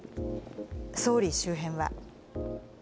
総理周辺は。